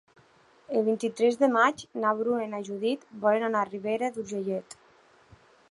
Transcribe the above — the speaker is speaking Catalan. El vint-i-tres de maig na Bruna i na Judit volen anar a Ribera d'Urgellet.